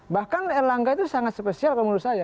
bahkan erlangga itu sangat spesial kalau menurut saya